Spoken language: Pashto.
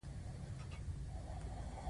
یوه طریقه د لاشعور په مرسته ده.